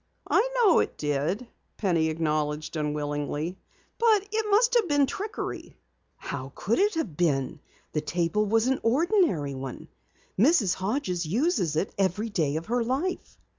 "I know it did," Penny acknowledged unwillingly. "But it must have been trickery." "How could it have been? The table was an ordinary one. Mrs. Hodges uses it every day of her life."